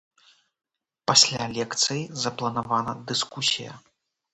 Пасля лекцыі запланавана дыскусія.